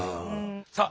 さあ。